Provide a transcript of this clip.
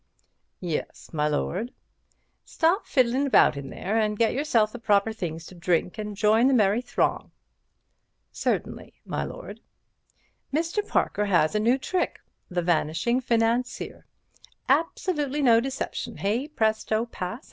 "Yes, my lord." "Stop fiddling about in there, and get yourself the proper things to drink and join the merry throng." "Certainly, my lord." "Mr. Parker has a new trick: The Vanishing Financier. Absolutely no deception. Hey, presto, pass!